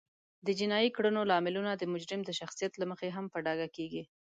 د جینایي کړنو لاملونه د مجرم د شخصیت له مخې هم په ډاګه کیږي